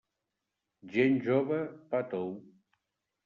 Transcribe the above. Gent jove, pa tou.